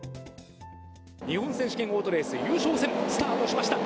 日本選手権オートレース優勝戦、スタートしました。